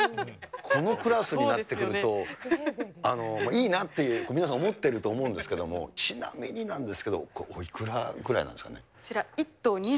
このクラスになってくると、いいなっていう、皆さん、思ってると思うんですけども、ちなみになんですけど、これ、おいくらぐらいなんですかね。